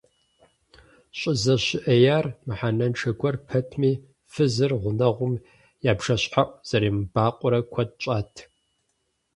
ЩӀызэщыӀеяр мыхьэнэншэ гуэр пэтми, фызыр гъунэгъум я бжэщхьэӀу зэремыбакъуэрэ куэд щӀат.